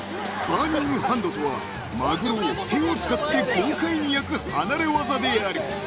バーニング・ハンドとはマグロを手を使って豪快に焼く離れ業である］